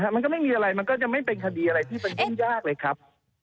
มันก็ไม่มีอะไรมันก็จะไม่เป็นคดีอะไรที่มันยุ่งยากเลยครับ